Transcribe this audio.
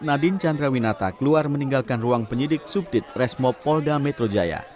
nadine chandrawinata keluar meninggalkan ruang penyidik subdit resmo polda metro jaya